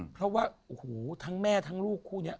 เพราะว่าทั้งแม่ทั้งลูกคู่